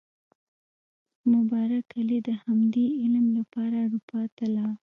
مبارک علي د همدې علم لپاره اروپا ته لاړ.